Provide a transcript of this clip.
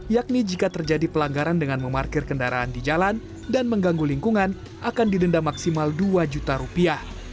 yakni jika terjadi pelanggaran dengan memarkir kendaraan di jalan dan mengganggu lingkungan akan didenda maksimal dua juta rupiah